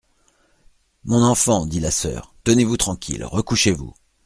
Mon enfant, dit la soeur, tenez-vous tranquille, recouchez-vous.